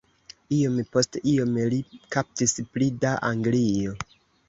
Iom post iom li kaptis pli da Anglio.